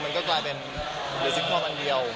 มันก็กลายเป็นลิซิปคอมอันเดียว